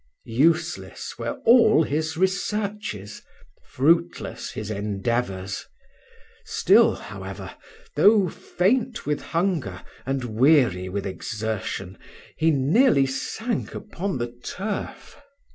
Useless were all his researches fruitless his endeavours: still, however, though faint with hunger, and weary with exertion, he nearly sank upon the turf.